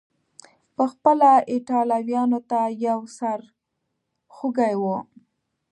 پخپله ایټالویانو ته یو سر خوږی و.